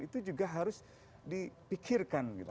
itu juga harus dipikirkan gitu